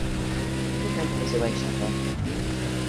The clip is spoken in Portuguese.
Quanto tempo você vai estar lá?